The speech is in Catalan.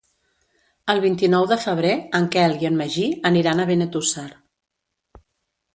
El vint-i-nou de febrer en Quel i en Magí aniran a Benetússer.